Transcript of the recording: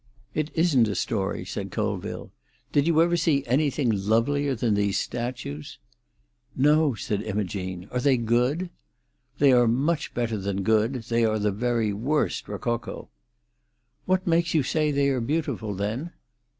"It isn't a story," said Colville. "Did you ever see anything lovelier than these statues?" "No," said Imogene. "Are they good?" "They are much better than good—they are the very worst rococo." "What makes you say they are beautiful, then?"